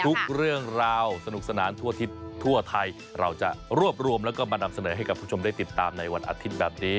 ทุกเรื่องราวสนุกสนานทั่วทิศทั่วไทยเราจะรวบรวมแล้วก็มานำเสนอให้กับผู้ชมได้ติดตามในวันอาทิตย์แบบนี้